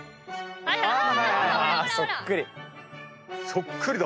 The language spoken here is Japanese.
そっくり。